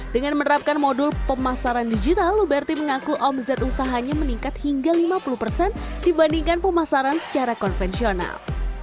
dengan menerapkan modul pemasaran digital luberti mengaku omset usahanya meningkat hingga lima puluh persen dibandingkan pemasaran secara konvensional